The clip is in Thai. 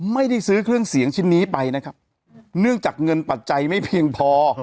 ไม่ได้ซื้อเครื่องเสียงชิ้นนี้ไปนะครับเนื่องจากเงินปัจจัยไม่เพียงพอ